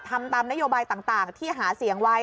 ทำตามนโยบายต่างที่หาเสียงไว้